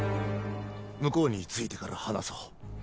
向こうに着いてから話そう